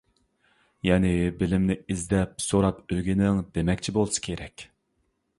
يەنى، بىلىمنى ئىزدەپ سوراپ ئۆگىنىڭ، دېمەكچى بولسا كېرەك.